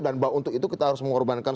dan bahwa untuk itu kita harus mengorbankan